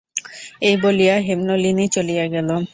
এই বলিয়া হেমনলিনী চলিয়া গেল।